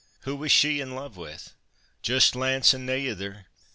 Who was she in love with?" "Just Lance, and nae ither.